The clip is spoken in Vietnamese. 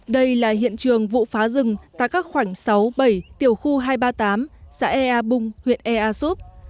đây là hiện trường vụ phá rừng tại các khoảnh sáu bảy tiểu khu hai trăm ba mươi tám xã e a bung huyện e a súp